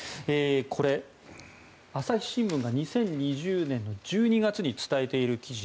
これは朝日新聞が２０２０年の１２月に伝えている記事。